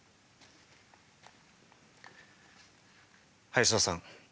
林田さん